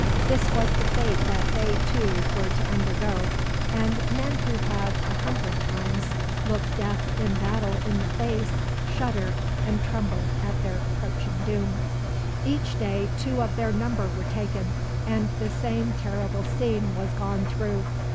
This was the fate that they, too, were to undergo; and men who had, a hundred times, looked death in battle in the face, shuddered and trembled at their approaching doom. Each day two of their number were taken, and the same terrible scene was gone through.